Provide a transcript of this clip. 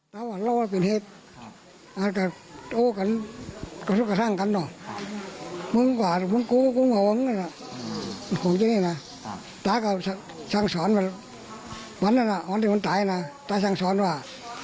ช่างสอนว่าวันนั้นน่ะอ๋อนี่มันตายน่ะแต่ช่างสอนว่า